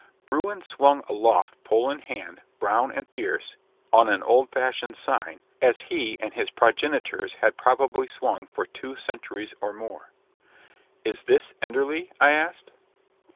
Bruin swung aloft pole in hand, brown and fierce, on an old fashioned sign, as he and his progenitors had probably swung for two centuries or more. "Is this Enderley?" I asked.